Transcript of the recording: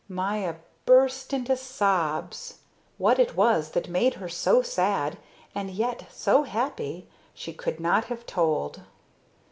Maya burst into sobs. What it was that made her so sad and yet so happy, she could not have told.